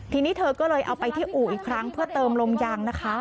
ทีนี้เธอก็เลยเอาไปที่อู่อีกครั้งเพื่อเติมลมยางนะคะ